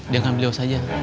dengan beliau saja